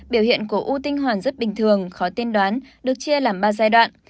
biểu hiện của u tinh hoàn rất bình thường khó tiên đoán được chia làm ba giai đoạn